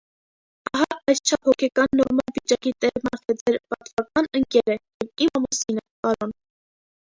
Ահա այսչափ հոգեկան նորմալ վիճակի տեր մարդ է ձեր պատվական ընկերը և իմ ամուսինը, պարոն: